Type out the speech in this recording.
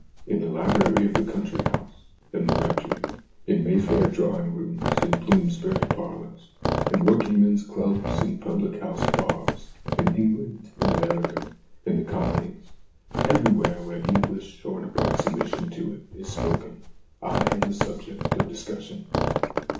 In the library of the country house, in the rectory, in Mayfair drawing rooms, in Bloomsbury parlours, in working men's clubs, in public house bars, in England, in America, in the Colonies everywhere where English, or an approximation to it, is spoken I am the subject of discussion.